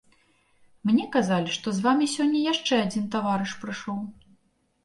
Мне казалі, што з вамі сёння яшчэ адзін таварыш прыйшоў.